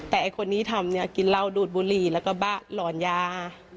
แต่ไอ้คนนี้ทำเนี่ยกินเหล้าดูดบุหรี่แล้วก็บ้าหลอนยา